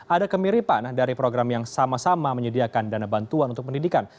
ada kemiripan dari program yang sama sama menyediakan dana bantuan untuk pendidikan